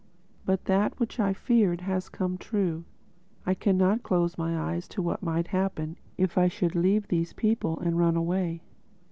But that which I feared has come true: I cannot close my eyes to what might happen if I should leave these people and run away.